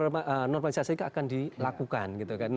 jadi normalisasi akan dilakukan